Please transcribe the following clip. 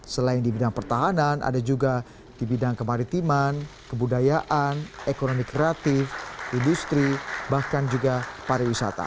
selain di bidang pertahanan ada juga di bidang kemaritiman kebudayaan ekonomi kreatif industri bahkan juga pariwisata